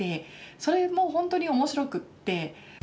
それも本当に面白くって。